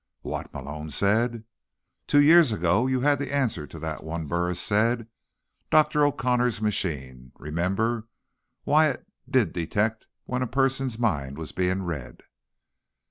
"What?" Malone said. "Two years ago, you had the answer to that one," Burris said. "Dr. O'Connor's machine. Remember why it did detect when a person's mind was being read?"